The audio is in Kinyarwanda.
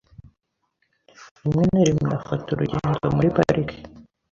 Rimwe na rimwe afata urugendo muri parike .